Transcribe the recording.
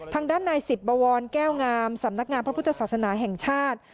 ทางด้านนายสิบบวรแก้วงามสำนักงานพระพุทธศาสนาแห่งชาติ